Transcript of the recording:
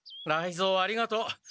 雷蔵ありがとう。